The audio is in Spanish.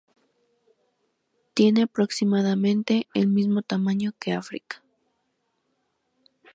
Tiene aproximadamente el mismo tamaño que África.